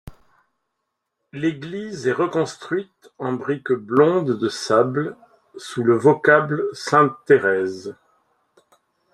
L’église est reconstruite en brique blonde de sable, sous le vocable Sainte-Thérèse.